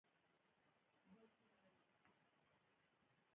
د پښتنو طنزونه ډیر خندونکي دي.